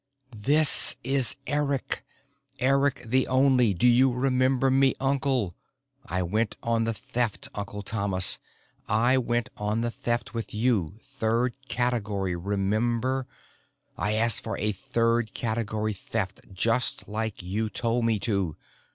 "This is Eric, Eric the Only. Do you remember me, Uncle? I went on the Theft, Uncle Thomas, I went on the Theft with you. Third category. Remember, I asked for a third category theft, just like you told me to?